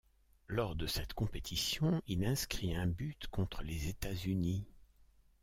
Lors de cette compétition, il inscrit un but contre les États-Unis.